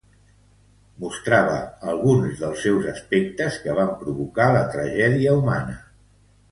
Mostrava alguns dels seus aspectes que van provocar la tragèdia humana.